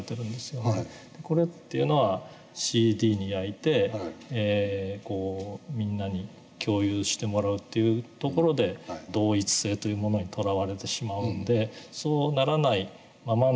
これっていうのはＣＤに焼いてみんなに共有してもらうというところで同一性というものにとらわれてしまうんでそうならないままの